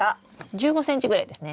１５ｃｍぐらいですね。